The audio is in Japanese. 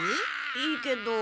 いいけど。